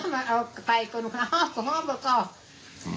มาเอาไปก่อนมาเอาข้อประกอบ